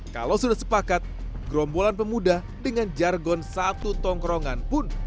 kalau sudah sepakat gerombolan pemuda dengan jargon satu tongkrongan pun